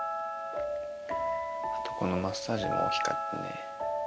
あとこのマッサージも大きかったね。